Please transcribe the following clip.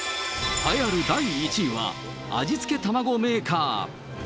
栄えある第１位は、味付けたまごメーカー。